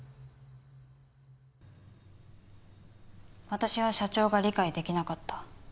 私は社長が理解できなかった。